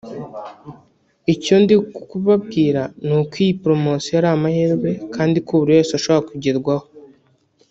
icyo ndi kubabwira nuko iyi promosiyo ari amahirwe ko kandi buri wese ashobora kugerwaho